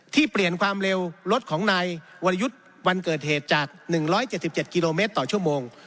เปลี่ยนความเร็วรถของนายวรยุทธ์วันเกิดเหตุจาก๑๗๗กิโลเมตรต่อชั่วโมง